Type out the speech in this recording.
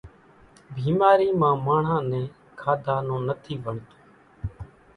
ڀيمارِي مان ماڻۿان نين کاڌا نون نٿِي وڻتون۔